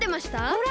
ほら！